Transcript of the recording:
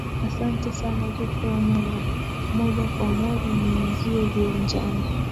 asante sana zuhra mwera moja kwa moja nianzie viwanjani